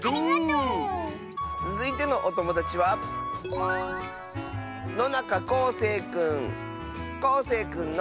つづいてのおともだちはこうせいくんの。